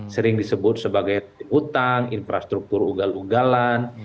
sering disebut sebagai utang infrastruktur ugal ugalan